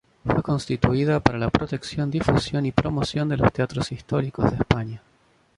Fue constituida para la protección, difusión y promoción de los teatros históricos de España.